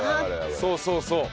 そうそうそう。